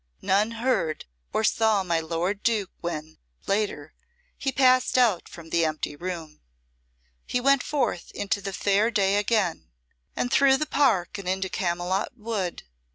None heard or saw my lord Duke when, later, he passed out from the empty room. He went forth into the fair day again, and through the Park and into Camylott Wood.